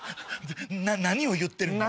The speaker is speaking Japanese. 何を言ってるの？